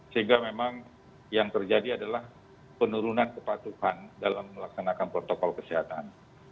sehingga memang yang terjadi adalah penurunan kepatuhan dalam melaksanakan protokol kesehatan